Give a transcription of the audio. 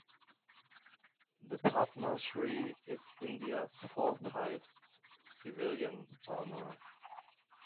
The Padma Shri is India's fourth highest civilian honour.